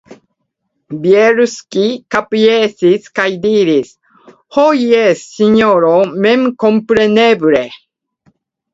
Bjelski kapjesis kaj diris: Ho jes, sinjoro, memkompreneble.